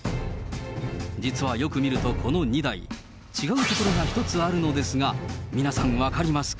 実はよく見ると、この２台、違うところが１つあるのですが、皆さん、分かりますか。